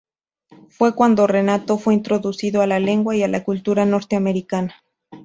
Fue cuando Renato fue introducido a la lengua y a la cultura norteamericana.